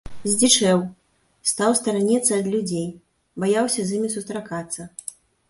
Здзічэў, стаў стараніцца ад людзей, баяўся з імі сустракацца.